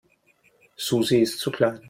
Susi ist zu klein.